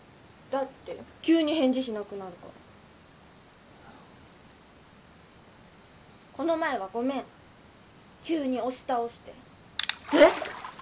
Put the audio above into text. だって急に返事しなくなるからこの前はごめん急に押し倒してえっ！？